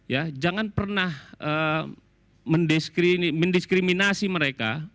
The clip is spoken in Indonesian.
ya jangan pernah mendiskriminasi mereka